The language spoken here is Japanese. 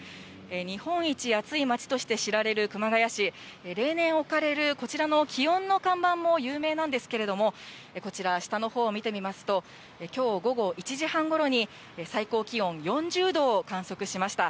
日本一暑いまちとして知られる熊谷市、例年置かれる、こちらの気温の看板も有名なんですけれども、こちら、下のほうを見てみますと、きょう午後１時半ごろに、最高気温４０度を観測しました。